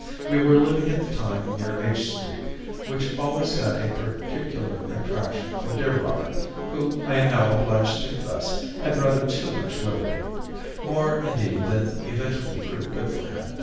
We were living at the time near H Street, which always had a peculiar attraction for dear Robert, who, I am now obliged to confess, had rather too much liberty more, indeed, than eventually proved good for him.